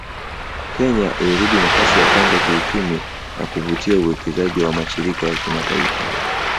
Kenya ilirudi nafasi ya kwanza kiuchumi na kuvutia uwekezaji wa mashirika ya kimataifa